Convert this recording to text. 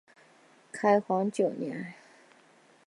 开皇九年。